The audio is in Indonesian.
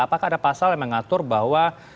apakah ada pasal yang mengatur bahwa